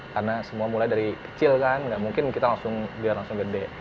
karena semua mulai dari kecil kan nggak mungkin kita langsung biar langsung gede